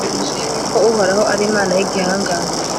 kuko uhoraho ari imana y'igihangange